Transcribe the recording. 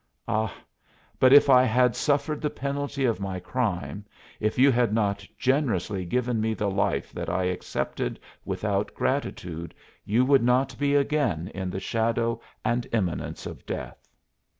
"Ah, but if I had suffered the penalty of my crime if you had not generously given me the life that I accepted without gratitude you would not be again in the shadow and imminence of death."